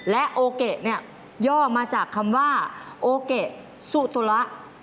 และโอเกะเนี่ยย่อมาจากคำว่าโอเกะซูตุระ